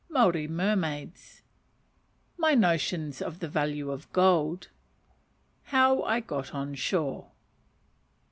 Maori Mermaids. My Notions of the Value of Gold. How I got on Shore.